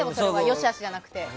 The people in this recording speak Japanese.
良し悪しじゃなくて。